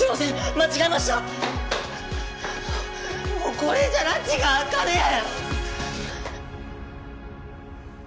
もうこれじゃらちが明かねぇ！